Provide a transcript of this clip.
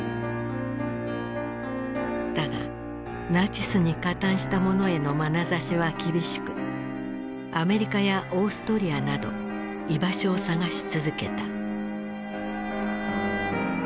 だがナチスに加担した者へのまなざしは厳しくアメリカやオーストリアなど居場所を探し続けた。